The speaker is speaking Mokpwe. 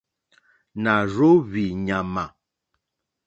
Nà rzóhwì ɲàmà.